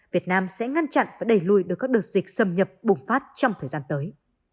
việt nam sẽ ngăn chặn và đẩy lùi được các đợt dịch xâm nhập bùng phát trong thời gian tới